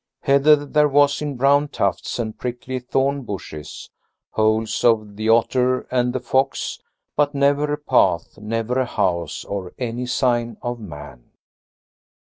Heather there was in brown tufts and prickly thorn bushes, holes of the otter and the fox, but never a path, never a house or any sign of man.